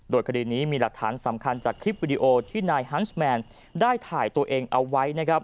โดยคดีนี้มีหลักฐานสำคัญจากคลิปวิดีโอที่นายฮันส์แมนได้ถ่ายตัวเองเอาไว้นะครับ